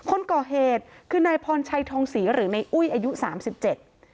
คนก่อเหตุคือนายพรชัยทองศรีหรือในอุ้ยอายุสามสิบเจ็ด